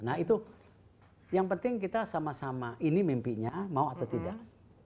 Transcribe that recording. nah itu yang penting kita sama sama ini mimpinya mau atau tidak